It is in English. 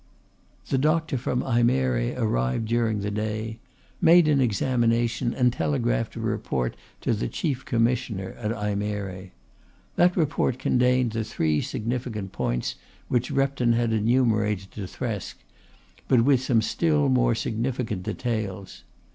The doctor from Ajmere arrived during the day, made an examination and telegraphed a report to the Chief Commissioner at Ajmere. That report contained the three significant points which Repton had enumerated to Thresk, but with some still more significant details.